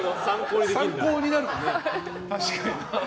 参考になるもんね。